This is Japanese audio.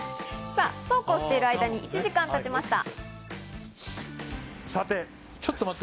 さあ、そうこうしている間に１時間たちました。